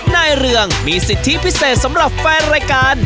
นายเรืองมีสิทธิพิเศษสำหรับแฟนรายการ